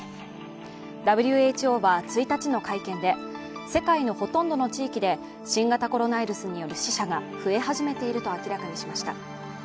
ＷＨＯは１日の会見で、世界のほとんどの地域で新型コロナウイルスによる死者が増え始めていると明らかにしました。